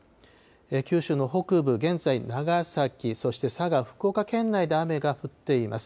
九州の北部、現在、長崎、そして佐賀、福岡県内で雨が降っています。